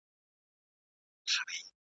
پر کیسو یې ساندي اوري د پېړیو جنازې دي ..